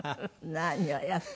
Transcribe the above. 何をやって。